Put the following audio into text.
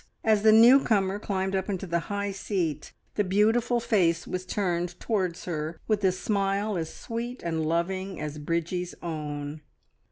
As the new comer climbed up into the high seat the beautiful face was turned towards her with a smile as sweet and loving as Bridgie's own.